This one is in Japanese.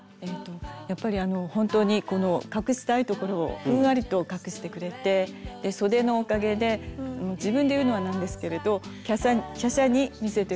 やっぱり本当にこの隠したいところをふんわりと隠してくれてそでのおかげで自分で言うのはなんですけれどきゃしゃに見せてくれる気がします。